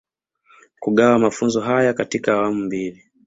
Kugawa mafunzo haya katika awamu mbili